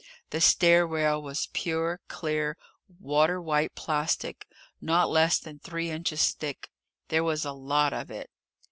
The stair rail was pure, clear, water white plastic, not less than three inches thick. There was a lot of it!